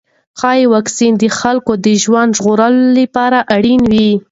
ښايي واکسین د خلکو د ژوند ژغورلو لپاره اړین وي.